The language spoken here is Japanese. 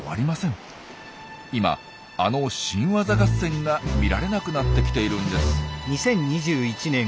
今あの新ワザ合戦が見られなくなってきているんです。